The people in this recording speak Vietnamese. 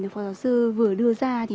phó giáo sư vừa đưa ra